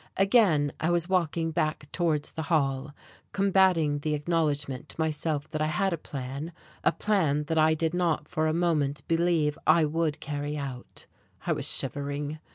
Again I was walking back towards the hall, combating the acknowledgment to myself that I had a plan, a plan that I did not for a moment believe I would carry out. I was shivering.